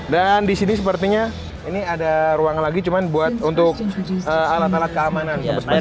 dan disini sepertinya ini ada ruang lagi cuman buat untuk alat alat keamanan sambat kebasi v